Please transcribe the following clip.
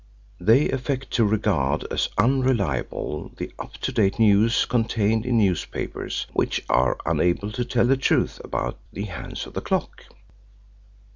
They affect to regard as unreliable the up to date news contained in newspapers which are unable to tell the truth about the hands of the clock.